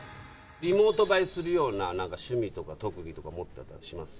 リモート映えするような何か趣味とか特技とか持ってたりとかします？